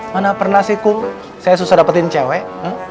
mana pernah sih kum saya susah dapetin cewek